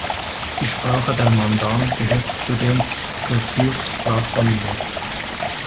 Die Sprache der Mandan gehört zudem zur Sioux-Sprachfamilie.